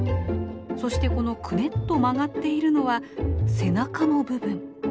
そしてこのクネっと曲がっているのは背中の部分。